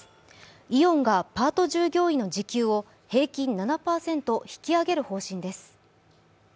イオンがパート従業員の時給を平均７％引き上げる予定です。